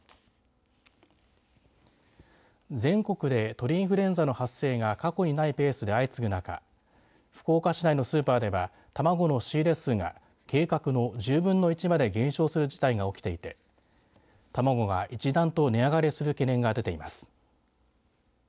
全国で鳥インフルエンザの発生が過去にないペースで相次ぐ中福岡市内のスーパーでは卵の仕入れ数が計画の１０分の１まで減少する事態が起きていて卵が一段と値上がりする懸念が出ています。